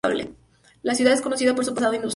La ciudad es conocida por su pasado industrial.